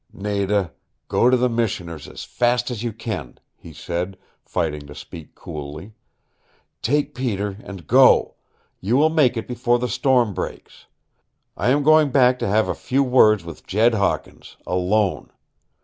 "Nada, go to the Missioner's as fast as you can," he said, fighting to speak coolly. "Take Peter and go. You will make it before the storm breaks. I am going back to have a few words with Jed Hawkins alone.